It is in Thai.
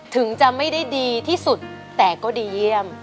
ถึงจะไม่ได้ดีที่สุดแต่ก็ดีเยี่ยม